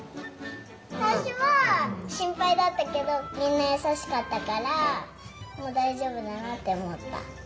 さいしょはしんぱいだったけどみんなやさしかったからもうだいじょうぶだなっておもった。